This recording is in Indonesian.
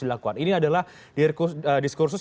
dilakukan ini adalah diskursus